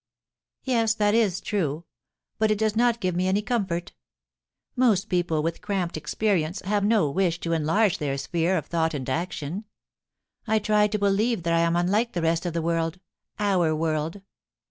* Yes, that is true ; but it does not give me any comfort Most people with cramped experience have no wish to en large their sphere of thought and action. I try to believe that I am unlike the rest of the world — our world.